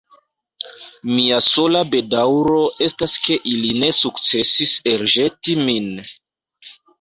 Mia sola bedaŭro estas ke ili ne sukcesis elĵeti min.